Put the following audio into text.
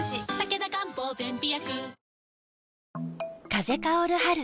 風薫る春。